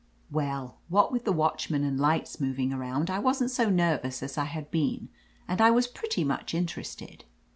"Well, what with the watchman and lights moving around, I wasn't so nervous as I had been, and I was pretty much interested.